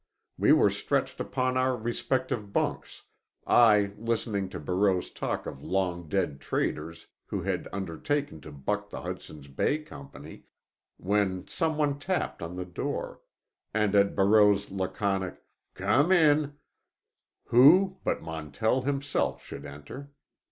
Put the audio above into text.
We were stretched upon our respective bunks, I listening to Barreau's talk of long dead traders who had undertaken to buck the Hudson's Bay Company, when some one tapped on the door; and at Barreau's laconic "come in," who but Montell himself should enter!